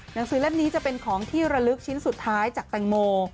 หนังสือเล่มนี้จะเป็นของที่ระลึกชิ้นสุดท้ายจากแตงโม